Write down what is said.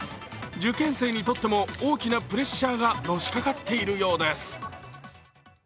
受験生にとっても大きなプレッシャーがのしかかっているようです。